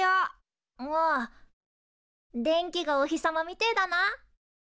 おお電気がお日様みてえだな。